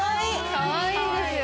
かわいいんですよ